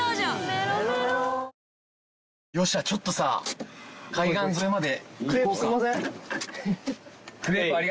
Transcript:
メロメロちょっとさ海岸沿いまで。